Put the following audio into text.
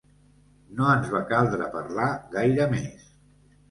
No ens va caldre parlar gaire més.